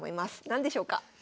何でしょうか？